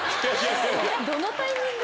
どのタイミングで？